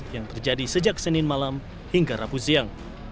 yang terjadi sejak senin malam hingga rabu siang